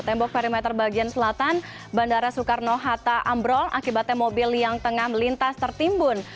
tembok perimeter bagian selatan bandara soekarno hatta ambrol akibatnya mobil yang tengah melintas tertimbun